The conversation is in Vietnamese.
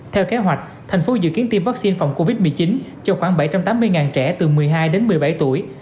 theo kế hoạch thành phố dự kiến tiêm vaccine phòng covid một mươi chín cho khoảng bảy trăm tám mươi trẻ từ một mươi hai đến một mươi bảy tuổi